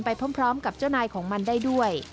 ไปพร้อมกับเจ้านายของมันได้ด้วย